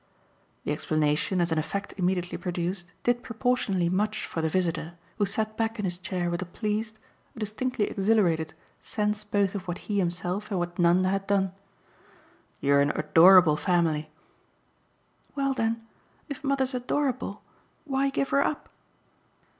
The explanation, as an effect immediately produced, did proportionately much for the visitor, who sat back in his chair with a pleased a distinctly exhilarated sense both of what he himself and what Nanda had done. "You're an adorable family!" "Well then if mother's adorable why give her up?